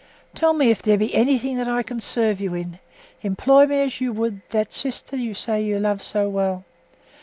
Tell me if there be anything that I can serve you in, employ me as you would do that sister that you say you love so well.